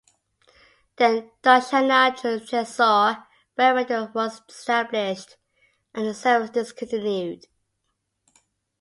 Then Darshana to Jessore railway was established and the service discontinued.